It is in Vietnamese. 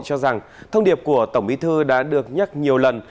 cho rằng thông điệp của tổng bí thư đã được nhắc nhiều lần